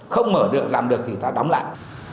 không mở được làm được thì ta đóng lại